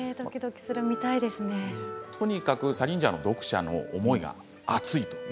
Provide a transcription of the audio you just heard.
とにかくサリンジャーの読者の思いが熱いと。